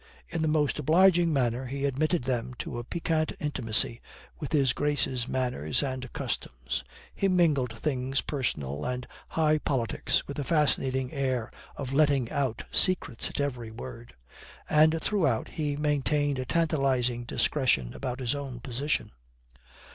In the most obliging manner he admitted them to a piquant intimacy with His Grace's manners and customs. He mingled things personal and high politics with a fascinating air of letting out secrets at every word; and, throughout, he maintained a tantalizing discretion about his own position.